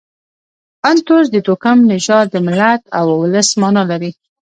انتوس د توکم، نژاد، د ملت او اولس مانا لري.